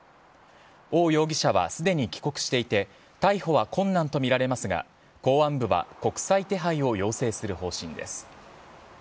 王容疑者はすでに帰国していて、逮捕は困難と見られますが、公安部は国際手配を要請する方針です。